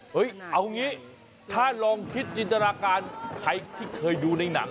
เอางี้ถ้าลองคิดจินตนาการใครที่เคยดูในหนัง